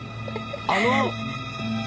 あの！